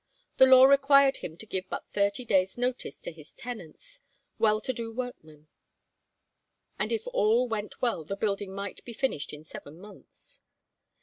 The law required him to give but thirty days' notice to his tenants, well to do workmen; and if all went well the building might be finished in seven months.